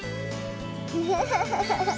ハハハハ。